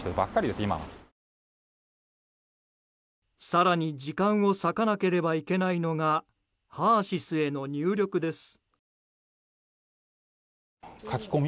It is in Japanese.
更に時間を割かなければいけないのがＨＥＲ‐ＳＹＳへの入力です。